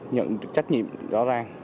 nhận trách nhiệm rõ ràng